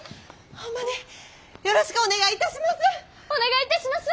ホンマによろしくお願いいたします！